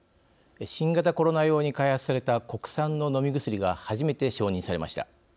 新型コロナ用に開発された国産の飲み薬が初めて承認されました。